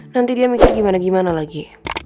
nanti dia minta gimana gimana lagi